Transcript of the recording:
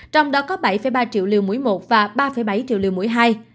trong đó có bảy ba triệu liều mũi một và ba bảy triệu liều mỗi hai